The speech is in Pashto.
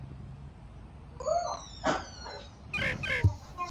زه به لږ وروسته فوټبال ته ولاړ سم.